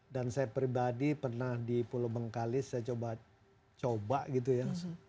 dan saya pribadi pernah di pulau bengkalis saya coba gitu ya